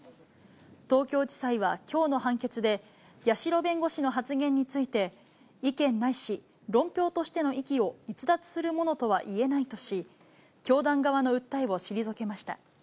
東京地裁はきょうの判決で、八代弁護士の発言について、意見ないし論評としての域を逸脱するものとはいえないとし、教団側の訴えを退けました。